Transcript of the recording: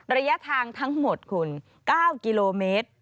ระยะทางทั้งหมดคุณ๙กิโลเมตร